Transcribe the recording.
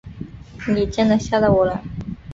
你真的吓到我了